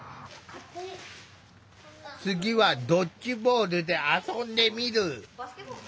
次はドッジボールで遊んでみる。